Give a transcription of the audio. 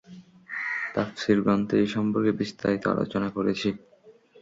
তাফসীর গ্রন্থে এ সম্পর্কে বিস্তারিত আলোচনা করেছি।